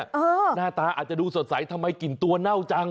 หน้าตาอาจจะดูสดใสทำไมกลิ่นตัวเน่าจัง